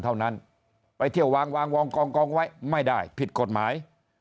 เท่านั้นไปเที่ยววางวางกองไว้ไม่ได้ผิดกฎหมาย